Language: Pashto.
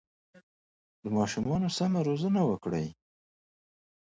د ماشومانو سمه روزنه وکړئ.